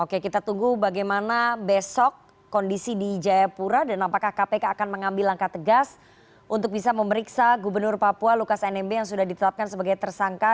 oke kita tunggu bagaimana besok kondisi di jayapura dan apakah kpk akan mengambil langkah tegas untuk bisa memeriksa gubernur papua lukas nmb yang sudah ditetapkan sebagai tersangka